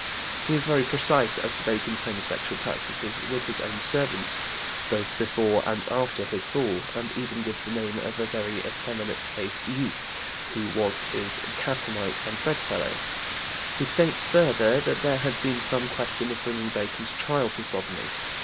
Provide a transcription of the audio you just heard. He is very precise as to Bacon's homosexual practices with his own servants, both before and after his fall, and even gives the name of a "very effeminate faced youth" who was his "catamite and bedfellow"; he states, further, that there had been some question of bringing Bacon to trial for sodomy.